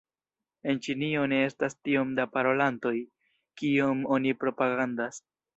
En Ĉinio ne estas tiom da parolantoj, kiom oni propagandas.